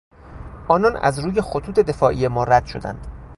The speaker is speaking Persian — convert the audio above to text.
آنان از روی خطوط دفاعی ما رد شدند.